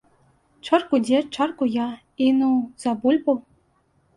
Чарку дзед, чарку я, і ну, за бульбу.